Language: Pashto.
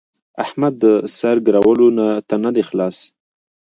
احمد د سر ګرولو ته نه دی خلاص.